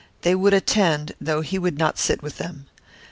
They would attend, though he would not sit with them.